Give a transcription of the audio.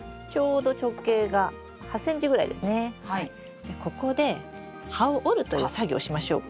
じゃここで葉を折るという作業をしましょうか？